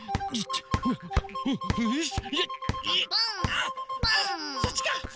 あそっちか！